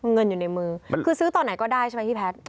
เงินอยู่ในมือคือซื้อตอนไหนก็ได้ใช่ไหมพี่แพทย์